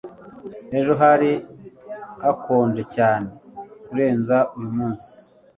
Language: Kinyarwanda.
Ejo hari hakonje cyane kurenza uyumunsi.